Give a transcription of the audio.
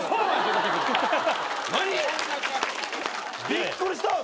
びっくりした。